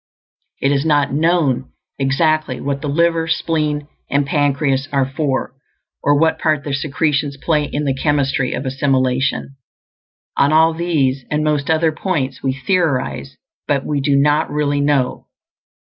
It is not known exactly what the liver, spleen, and pancreas are for, or what part their secretions play in the chemistry of assimilation. On all these and most other points we theorize, but we do not really know.